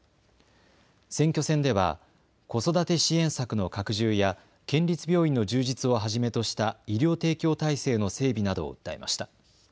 選挙戦では子育て支援策の拡充や県立病院の充実をはじめとした医療提供体制の整備などを訴えました。